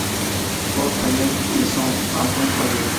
Post College y Southampton College.